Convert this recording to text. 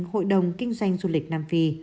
hội đồng kinh doanh du lịch nam phi